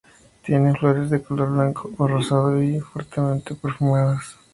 Tiene las flores de color blanco o rosado y fuertemente perfumadas.